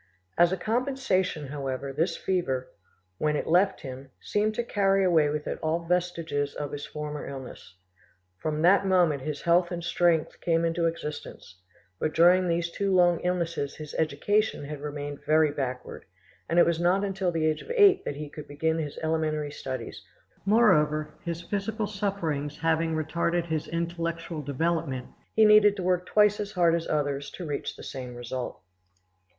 As a compensation, however, this fever, when it left him, seemed to carry away with it all vestiges of his former illness. From that moment his health and strength came into existence; but during these two long illnesses his education had remained very backward, and it was not until the age of eight that he could begin his elementary studies; moreover, his physical sufferings having retarded his intellectual development, he needed to work twice as hard as others to reach the same result.